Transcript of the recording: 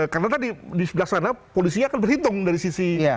karena tadi di dasarnya polisinya akan berhitung dari sisi